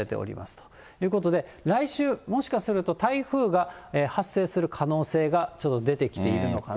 ということで、来週、もしかすると、台風が発生する可能性がちょっと出てきているのかなと。